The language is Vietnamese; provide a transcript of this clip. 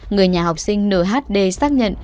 người nhà học sinh nhd xác nhận